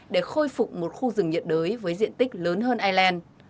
để khôi phục một khu rừng nhiệt đới với diện tích lớn hơn ireland